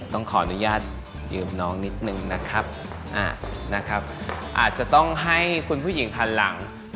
ต้องขออนุญาตยืมน้องนิดนึงนะครับอาจจะต้องให้คุณผู้หญิงหันหลัง